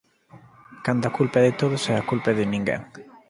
Cando a culpa é de todos, a culpa é de ninguén